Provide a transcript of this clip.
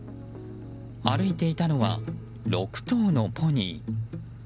歩いていたのは６頭のポニー。